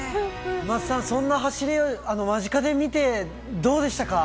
桝さん、そんな走り、間近で見てどうでしたか？